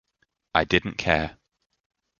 I didn't care.